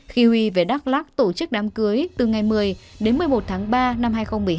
khi huy về đắk lắc tổ chức đám cưới từ ngày một mươi đến một mươi một tháng ba năm hai nghìn một mươi hai